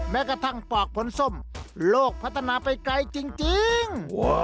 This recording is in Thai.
แม้กระทั่งปอกผลส้มโลกพัฒนาไปไกลจริง